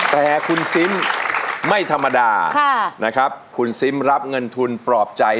แต่คุณซิมไม่ธรรมดานะครับคุณซิมรับเงินทุนปลอบใจ